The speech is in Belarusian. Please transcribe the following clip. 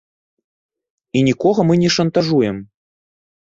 І нікога мы не шантажуем!